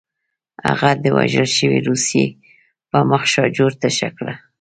هغه د وژل شوي روسي په مخ شاجور تشه کړه